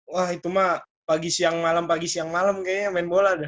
wah itu mah pagi siang malem pagi siang malem kayaknya main bola dah